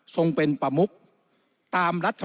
แต่การเลือกนายกรัฐมนตรี